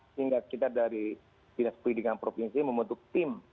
sehingga kita dari binas perlindungan provinsi membentuk tim